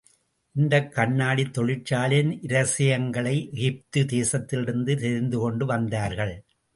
இந்தக் கண்ணாடித் தொழிற்சாலையின் இரகசியங்களை எகிப்து தேசத்திலிருந்து தெரிந்துகொண்டு வந்தார்கள்.